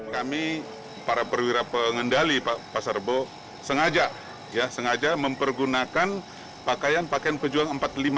kami para perwira pengendali pasar rebo sengaja mempergunakan pakaian pakaian pejuang empat puluh lima